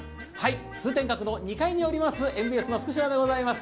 通天閣の２階におりますＭＢＳの福島でございます。